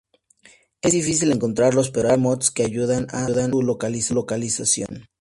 Es difícil encontrarlos, pero hay mods que ayudan a su localización.